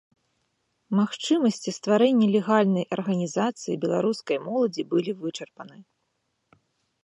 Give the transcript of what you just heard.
Магчымасці стварэння легальнай арганізацыі беларускай моладзі былі вычарпаны.